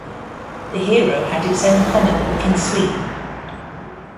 The hero had its own comic book in Sweden.